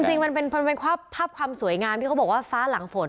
จริงมันเป็นภาพความสวยงามที่เขาบอกว่าฟ้าหลังฝน